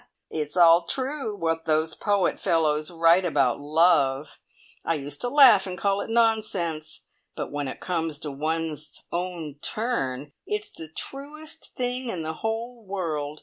"It's all true what those poet fellows write about love! I used to laugh and call it nonsense; but when it comes to one's own turn, it's the truest thing in the whole world!